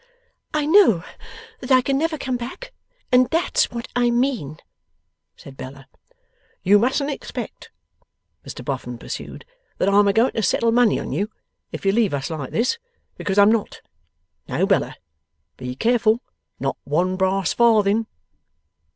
'I know that I can never come back, and that's what I mean,' said Bella. 'You mustn't expect,' Mr Boffin pursued, 'that I'm a going to settle money on you, if you leave us like this, because I am not. No, Bella! Be careful! Not one brass farthing.